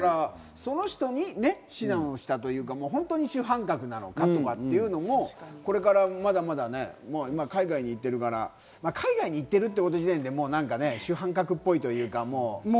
その人に指南したというか、主犯格なのかとかっていうのも、これからまだまだ海外に行ってるから、海外に行ってるっていう時点で主犯格っぽいというか。